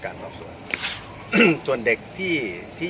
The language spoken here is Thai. ถ้าไม่ได้ขออนุญาตมันคือจะมีโทษ